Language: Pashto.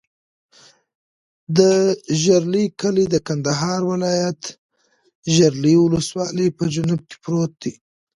د ژرۍ کلی د کندهار ولایت، ژرۍ ولسوالي په جنوب کې پروت دی.